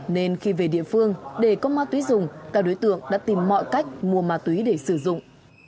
nên khi về địa phương để có ma túy dùng các đối tượng đã tìm mọi cách mua ma túy để sử dụng